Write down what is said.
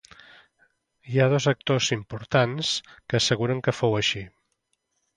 Hi ha dos actors importants que asseguren que fou així.